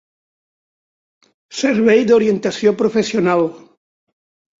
Servei d'orientació professional